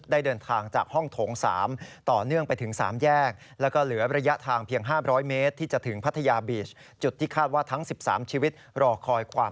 ได้เดินทางจากห้องโถง๓ต่อเนื่องไปถึง๓แยก